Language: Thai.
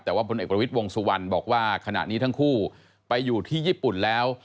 แต่ว่าพลเอกประวิทย์วงสุวรรณบอกว่าขณะนี้ทั้งคู่ไปอยู่ที่ญี่ปุ่นแล้ว